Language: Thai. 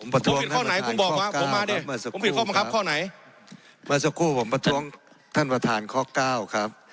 ผมผิดข้อไหนผมผิดข้อไหนครับข้อ๙ครับมาสักครู่ครับ